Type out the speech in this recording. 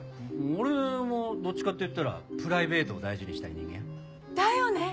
俺もどっちかっていったらプライベートを大事にしたい人間。だよね！